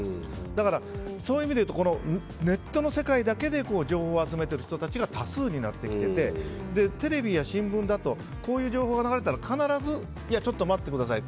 だから、そういう意味で言うとネットの世界だけで情報を集めている人たちが多数になってきていてテレビや新聞などだとこういう情報が流れたら必ず待ってください